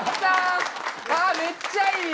ああめっちゃいい。